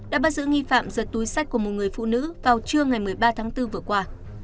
đã bắt giữ nghi phạm giật túi sách của một người phụ nữ vào trưa ngày một mươi ba tháng bốn vừa qua